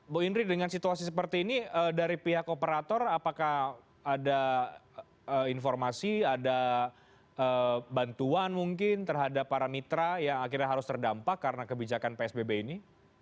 bu indri dengan situasi seperti ini dari pihak operator apakah ada informasi ada bantuan mungkin terhadap para mitra yang akhirnya harus terdampak karena kebijakan psbb ini